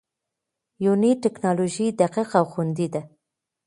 یوني ټېکنالوژي دقیق او خوندي ده.